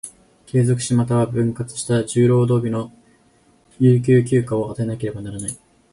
継続し、又は分割した十労働日の有給休暇を与えなければならない。